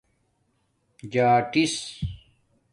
جاٹس